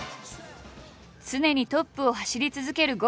常にトップを走り続ける郷。